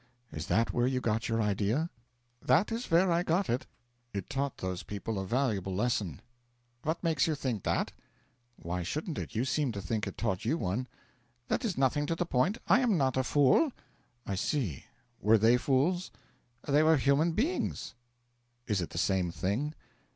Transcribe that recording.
'Is that where you got your idea?' 'That is where I got it.' 'It taught those people a valuable lesson.' 'What makes you think that?' 'Why shouldn't I? You seem to think it taught you one.' 'That is nothing to the point. I am not a fool.' 'I see. Were they fools?' 'They were human beings.' 'Is it the same thing?'